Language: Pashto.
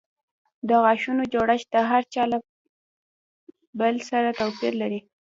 د غاښونو جوړښت د هر چا له بل سره توپیر لري.